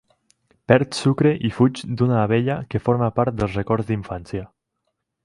Perd sucre i fuig d'una abella que forma part del records d'infància.